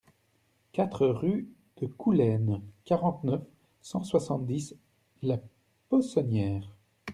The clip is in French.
quatre rue de Coulaines, quarante-neuf, cent soixante-dix, La Possonnière